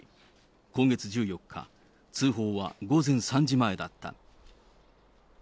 今月１４日、通報は午前３時前だった。